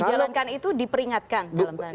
dijalankan itu diperingatkan dalam hal ini atau